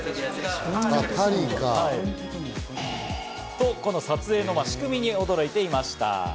と、撮影の仕組みに驚いていました。